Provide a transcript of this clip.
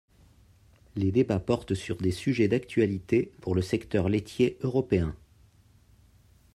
Les débats portent sur des sujets d'actualité pour le secteur laitier européen.